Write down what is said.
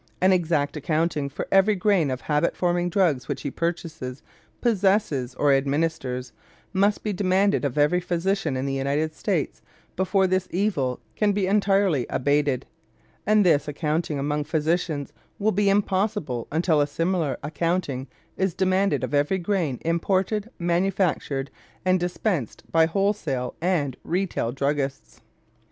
An exact accounting for every grain of habit forming drugs which he purchases, possesses, or administers, must be demanded of every physician in the United States before this evil can be entirely abated; and this accounting among physicians will be impossible until a similar accounting is demanded of every grain imported, manufactured, and dispensed by wholesale and retail druggists.